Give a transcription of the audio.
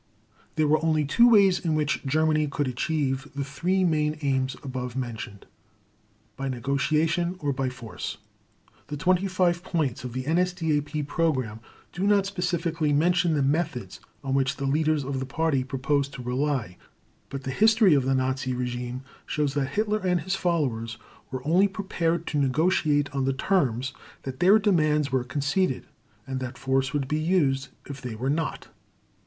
There were only two ways in which Germany could achieve the three main aims above mentioned, by negotiation, or by force. The 25 points of the NSDAP program do not specifically mention the methods on which the leaders of the Party proposed to rely, but the history of the Nazi regime shows that Hitler and his followers were only prepared to negotiate on the terms that their demands were conceded, and that force would be used if they were not.